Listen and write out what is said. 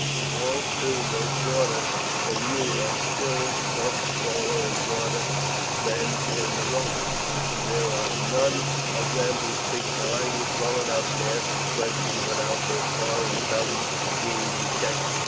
The Gauls, too, though shorter than you, are still much taller and broader men than the Romans, and there are none of them who speak the language well enough to ask a question without their foreign tongue being detected.